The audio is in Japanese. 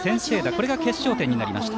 これが決勝点になりました。